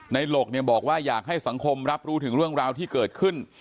หลกบอกว่าอยากให้สังคมรับรู้ถึงเรื่องราวที่เกิดขึ้น